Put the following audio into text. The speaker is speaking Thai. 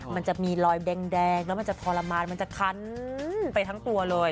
มันจะมีรอยแดงแล้วมันจะทรมานมันจะคันไปทั้งตัวเลย